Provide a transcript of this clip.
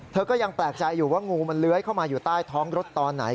เธอก็ยังแปลกใจอยู่ว่างูมันเลื้อยเข้ามาอยู่ใต้ท้องรถตอนไหน